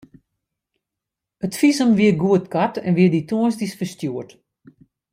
It fisum wie goedkard en wie dy tongersdeis ferstjoerd.